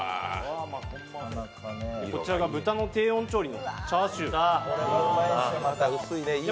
こちらが豚の低温調理のチャーシューですね。